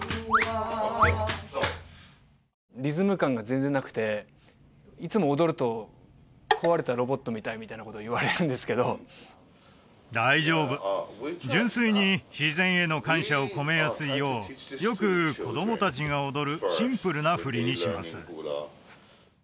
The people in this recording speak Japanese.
リズム感が全然なくていつも踊ると「壊れたロボットみたい」みたいなことを言われるんですけど大丈夫純粋に自然への感謝を込めやすいようよく子供達が踊るシンプルな振りにします